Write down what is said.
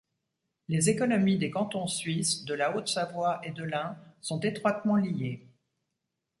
Les économies des cantons suisses, de la Haute-Savoie et de l'Ain sont étroitement liées.